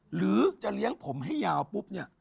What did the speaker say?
หรือจะเลี้ยงผมให้ยาวปุ๊บเนี่ย